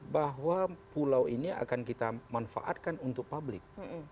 bahwa pulau ini akan kita manfaatkan untuk publik